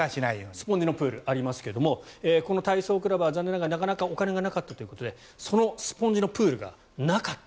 スポンジのプールがありますがこの体操教室はお金がなかったということでそのスポンジのプールがなかった。